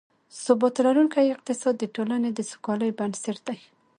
ثبات لرونکی اقتصاد، د ټولنې د سوکالۍ بنسټ دی